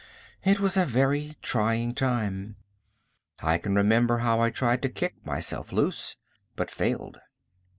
It was a very trying time. I can remember how I tried to kick myself loose, but failed.